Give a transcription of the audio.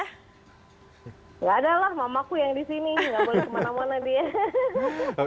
tidak adalah mamaku yang di sini nggak boleh kemana mana dia